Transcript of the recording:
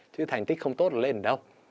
chứ thành tích không tốt là lên đâu